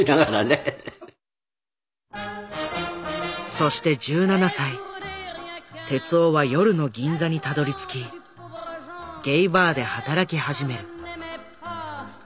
そして１７歳徹男は夜の銀座にたどりつきゲイバーで働き始める。